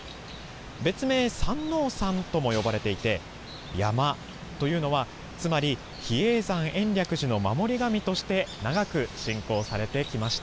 別名、山王さんとも呼ばれていて、山、というのは、つまり比叡山延暦寺の守り神として長く信仰されてきました。